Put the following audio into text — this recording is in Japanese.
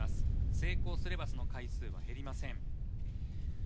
成功すればその回数は減りません。